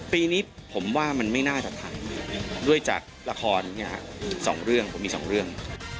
ปีนี้ผมว่ามันไม่น่าจะทันด้วยจากละครสองเรื่องผมมีสองเรื่อง